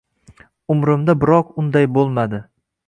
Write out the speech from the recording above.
Umrimda biroq unday bo’lmadi.